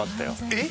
えっ？